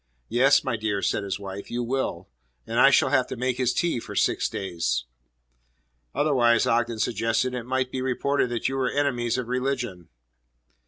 "Yes, my dear," said his wife, "you will. And I shall have to make his tea for six days." "Otherwise," Ogden suggested, "it might be reported that you were enemies of religion."